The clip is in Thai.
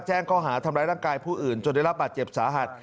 แจ้งข้อหาทำร้ายร่างกายผู้อื่นจนได้รับบาดเจ็บสาหัส